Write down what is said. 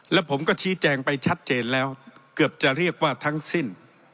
แล้วผมก็ชี้แจงไปชัดเจนแล้วเกือบจะเรียกว่าทั้งสิ้น